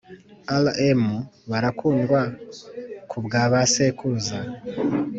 Rm barakundwa ku bwa ba sekuruza